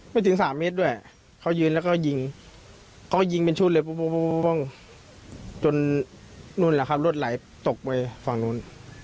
ไม่ถึง๓เมตรด้วยเขายืนแล้วก็ยิงเขายิงเป็นชุดเลยปุ๊บจนรถไหลตกไปฝั่งโน้น